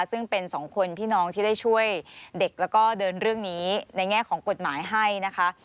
ซึ่งเป็นสองคนพี่น้องที่ได้ช่วยเด็กแล้วก็เดินเรื่องนี้ในแง่ของกฎหมายให้นะคะ